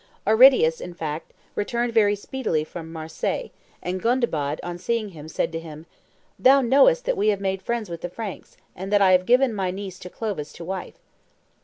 "Aridius, in fact, returned very speedily from Marseilles, and Gondebaud, on seeing him, said to him, 'Thou knowest that we have made friends with the Franks, and that I have given my niece to Clovis to wife.